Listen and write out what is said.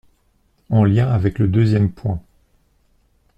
En lien avec le deuxième point.